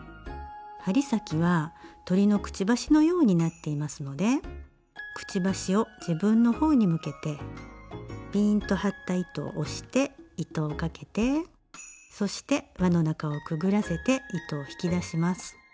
針先は鳥のくちばしのようになっていますのでくちばしを自分の方に向けてピーンと張った糸を押して糸をかけてそして輪の中をくぐらせて糸を引き出します。